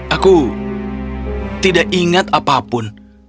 aku tidak ingat apapun